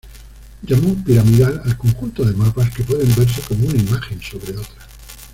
Llamó piramidal al conjunto de mapas, que puede verse como una imagen sobre otra.